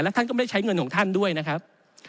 ท่านก็ไม่ได้ใช้เงินของท่านด้วยนะครับ